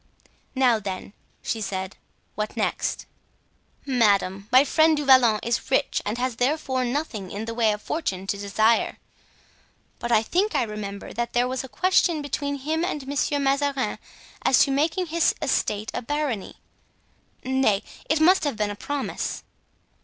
"Now, then," she said, "what next?" "Madame, my friend Du Vallon is rich and has therefore nothing in the way of fortune to desire; but I think I remember that there was a question between him and Monsieur Mazarin as to making his estate a barony. Nay, it must have been a promise."